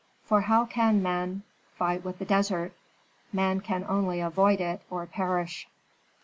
For how can man fight with the desert? Man can only avoid it or perish.